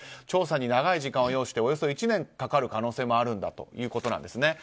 調査に長い時間を要しておよそ１年かかる可能性もあるということなんです。